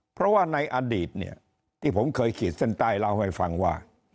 เพราะว่าในอดีตเนี่ยที่ผมเคยขีดเส้นใต้เล่าให้ฟังว่า